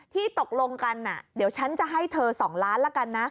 ตกลงกันเดี๋ยวฉันจะให้เธอ๒ล้านละกันนะ